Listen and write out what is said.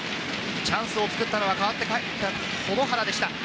チャンスを作ったのは代わって入った保土原でした。